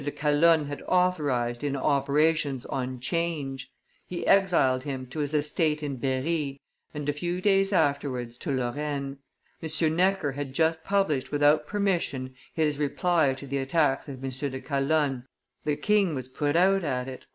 de Calonne had authorized in operations on 'Change: he exiled him to his estate in Berry, and a few days afterwards to Lorraine. M. Necker had just published without permission his reply to the attacks of M. de Calonne the king was put out at it.